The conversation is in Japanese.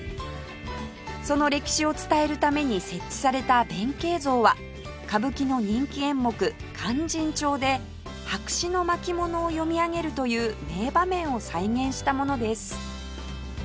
その歴史を伝えるために設置された弁慶像は歌舞伎の人気演目『勧進帳』で白紙の巻物を読み上げるという名場面を再現したものです